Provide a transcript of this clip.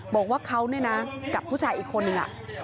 บอกว่าเขากับผู้ชายอีกคนนึง